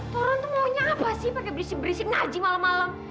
tuan tuan tuh maunya apa sih pake berisik berisik ngaji malem malem